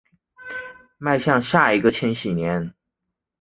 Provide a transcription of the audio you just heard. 迈向下一个千禧年